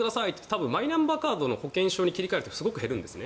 多分マイナンバーカードの保険証に切り替える人減るんです